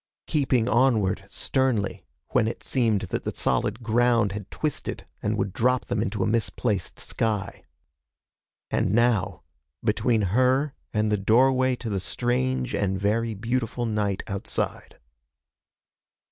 Keeping onward sternly when it seemed that the solid ground had twisted and would drop them into a misplaced sky. And now, between her and the doorway to the strange and very beautiful night outside.